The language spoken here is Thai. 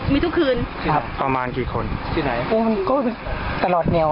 มีทุกคืนตลอดแนว